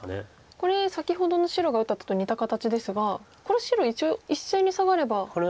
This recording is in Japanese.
これ先ほどの白が打った手と似た形ですがこれ白一応１線にサガれば。